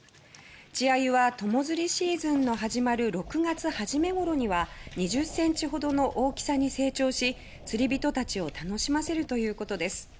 稚アユは友釣りシーズンの始まる６月はじめごろには２０センチほどの大きさに成長し釣り人たちを楽しませるということです。